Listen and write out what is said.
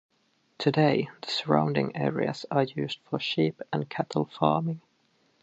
Today, the surrounding areas are used for sheep and cattle farming.